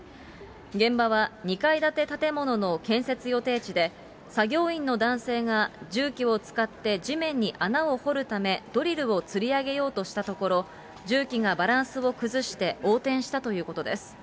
現場は２階建て建物の建設予定地で、作業員の男性が重機を使って地面に穴を掘るためドリルをつり上げようとしたところ、重機がバランスを崩して横転したということです。